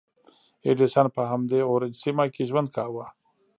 ایډېسن په همدې اورنج سیمه کې ژوند کاوه.